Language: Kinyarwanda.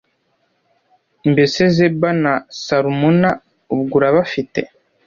Mbese Zeba na Salumuna ubwo urabafite